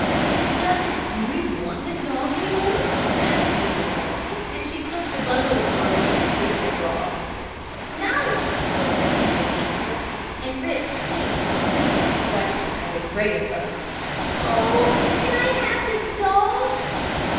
"Doesn't Henry want his dog any more?" asked Mrs. Dalton, as she took the bundle of groceries Rick had brought. "No!" was the eager answer, and Rick seemed to seize on the question as a ray of hope. "Oh, can I have his dog?"